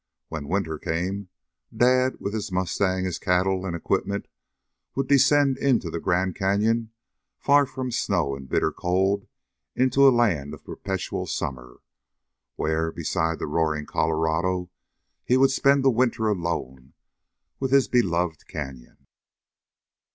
When winter came, Dad, with his mustang, his cattle and equipment would descend into the Grand Canyon far from snow and bitter cold into a land of perpetual summer, where, beside the roaring Colorado, he would spend the winter alone with his beloved Canyon.